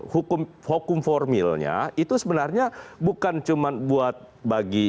hukum formilnya itu sebenarnya bukan cuma buat bagi